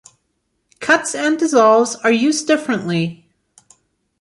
Cuts and dissolves are used differently.